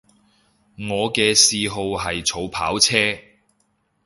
我嘅嗜好係儲跑車